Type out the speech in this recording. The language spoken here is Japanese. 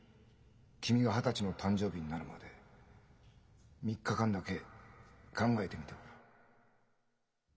君が二十歳の誕生日になるまで３日間だけ考えてみてごらん。